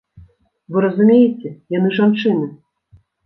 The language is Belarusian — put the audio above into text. Вы разумееце, яны жанчыны!